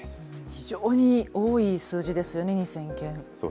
非常に多い数字ですよね、２０００件。